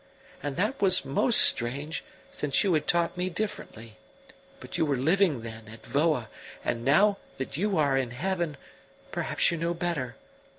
And that was most strange, since you had taught me differently; but you were living then, at Voa, and now that you are in heaven, perhaps you know better.